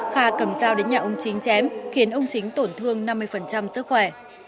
kha cầm dao đến nhà ông chính chém khiến ông chính tổn thương năm mươi sức khỏe